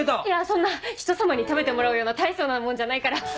いやそんな人様に食べてもらうような大層なもんじゃないから。